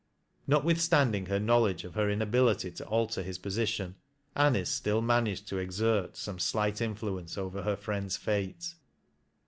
Notwithstanding her knowledge of her inability to altei his position, Anice still managed to exert some slight infia ence over her friend's fate.